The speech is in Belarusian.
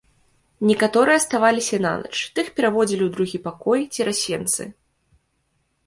Некаторыя аставаліся нанач, тых пераводзілі ў другі пакой, цераз сенцы.